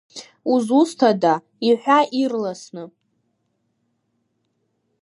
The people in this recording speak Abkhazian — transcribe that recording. Узусҭада, иҳәа ирласны?